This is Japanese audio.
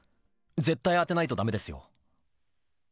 絶対当てないとだめですよ。